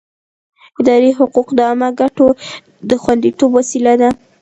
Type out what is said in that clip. اداري حقوق د عامه ګټو د خوندیتوب وسیله ده.